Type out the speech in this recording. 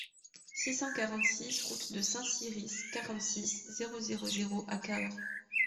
six cent quarante-six route de Saint-Cirice, quarante-six, zéro zéro zéro à Cahors